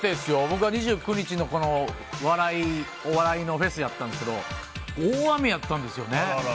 僕は２９日のお笑いのフェスやったんですけど大雨やったんですよね。